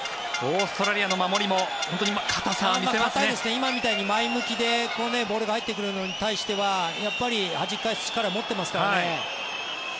今みたいに前向きでボールが入ってくるのに対してはやっぱり、はじき返す力を持ってますからね。